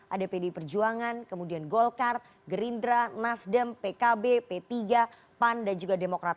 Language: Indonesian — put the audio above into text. ada pdi perjuangan kemudian golkar gerindra nasdem pkb p tiga pan dan juga demokrat